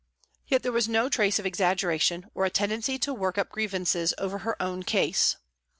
Yet there was no trace of exaggeration or a tendency to work up grievances over her own case.